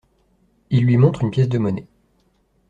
Il lui montre une pièce de monnaie.